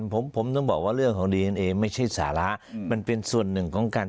ผมผมต้องบอกว่าเรื่องของดีเอ็นเอไม่ใช่สาระมันเป็นส่วนหนึ่งของการ